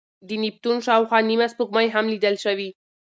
د نیپتون شاوخوا نیمه سپوږمۍ هم لیدل شوې.